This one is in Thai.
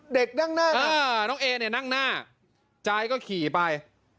นั่งหน้าน้องเอเนี่ยนั่งหน้าจายก็ขี่ไป